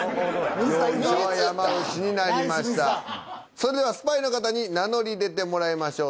それではスパイの方に名乗り出てもらいましょう。